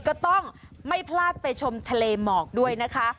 ก็ต้องไม่พลาดไปชมทะเลหมอกด้วยนะคะ